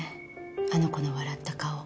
あの子の笑った顔。